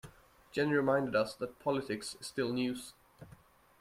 Jenny reminded us that politics is still news.